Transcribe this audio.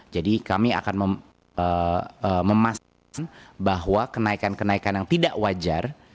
jadi kami akan memastikan bahwa kenaikan kenaikan yang tidak wajar